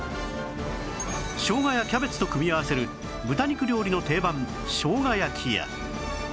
しょうがやキャベツと組み合わせる豚肉料理の定番しょうが焼きや